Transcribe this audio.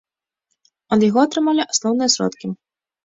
Ад яго атрымлівалі асноўныя сродкі.